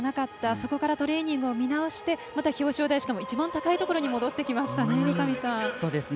そこからトレーニングを見直して表彰台、しかも一番高いところに戻ってきましたね。